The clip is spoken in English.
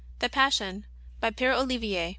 The Passion, by Pere Ollivier, O.